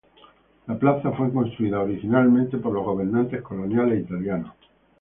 La plaza fue construida originalmente por los gobernantes coloniales italianos.